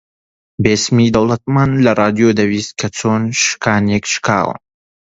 بێسیمی دەوڵەتمان لە ڕادیۆ دەبیست کە چۆن شکانێک شکاون